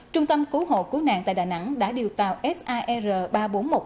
trung tâm cứu hộ cứu nạn tại đà nẵng đã điều tàu sar ba nghìn bốn trăm một mươi hai ra cứu hộ các người dân gặp nạn